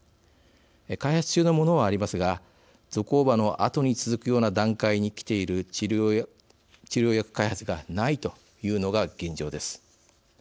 開発中のものはありますがゾコーバのあとに続くような段階にきている治療薬開発がないというのが現状です。